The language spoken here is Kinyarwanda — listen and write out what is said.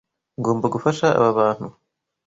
Ngomba gufasha aba bantu.